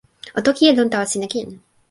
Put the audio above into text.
o toki e lon tawa sina kin.